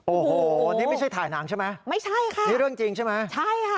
โอ้โหนี่ไม่ใช่ถ่ายหนังใช่ไหมไม่ใช่ค่ะนี่เรื่องจริงใช่ไหมใช่ค่ะ